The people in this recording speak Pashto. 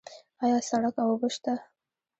آیا سړک او اوبه شته؟